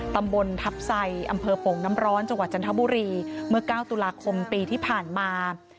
ตำบลทัพไซอำเภอโป่งน้ำร้อนจังหวัดจันทบุรีเมื่อ๙ตุลาคมปีที่ผ่านมา